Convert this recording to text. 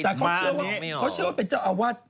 แต่เขาเชื่อว่าเป็นเจ้าอาวาส